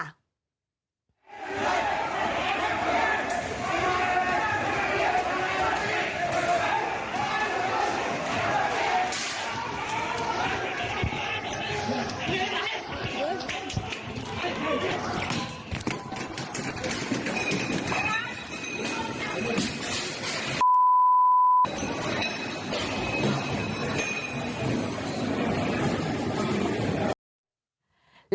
อยากอยากอยากไหม